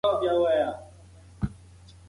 د پوهې د لوړولو لپاره مداوم مطالعه اړینې دي.